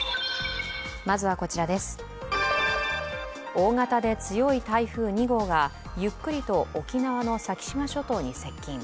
大型で強い台風２号がゆっくりと沖縄の先島諸島に接近。